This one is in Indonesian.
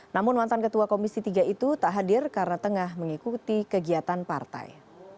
namun mantan ketua komisi tiga itu tak hadir karena tengah mengikuti kegiatan partai